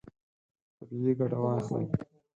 طبیعي ګټه واخلئ.